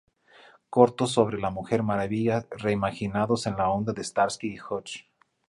Cortos sobre La Mujer Maravilla re-imaginados en la onda de "Starsky y Hutch".